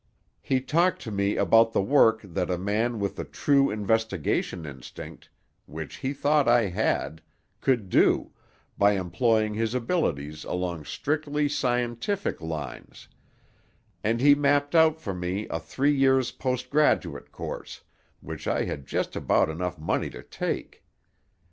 He talked to me about the work that a man with the true investigation instinct—which he thought I had—could do, by employing his abilities along strictly scientific lines; and he mapped out for me a three year's postgraduate course, which I had just about enough money to take.